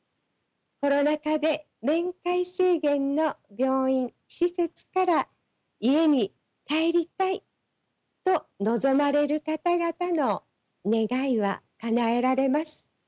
コロナ禍で面会制限の病院施設から家に帰りたいと望まれる方々の願いはかなえられます。